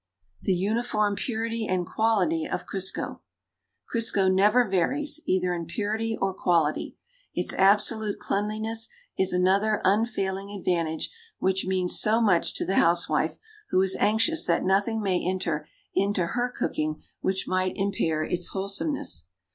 THE UNIFORM PURITY AND QUALITY OF CRISCO Crisco never varies, either in purity or quality. Its absolute cleanliness is another unfailing advantage which means so much to the housewife who is anxious that nothing may enter into her cooking which might impair its wholesonieness.